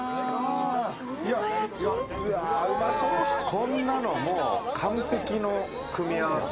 こんなの完璧の組み合わせ。